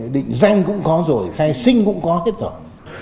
định danh cũng có rồi khai sinh cũng có hết rồi